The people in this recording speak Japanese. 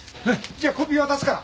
じゃあコピー渡すから！